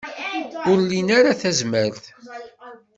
Ur lin ara tazmert.